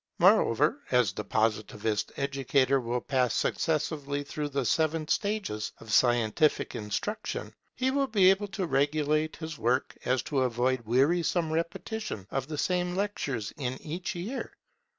Moreover, as the Positivist educator will pass successively through the seven stages of scientific instruction, he will be able so to regulate his work as to avoid wearisome repetition of the same lectures in each year.